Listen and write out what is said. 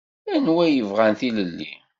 Anwa i yebɣan tilelli?